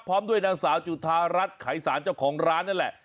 พร้อมด้วยนางสาวจุธารัฐไขสารเจ้าของร้านนั่นแหละ